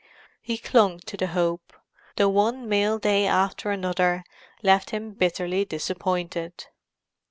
He clung to the hope though one mail day after another left him bitterly disappointed.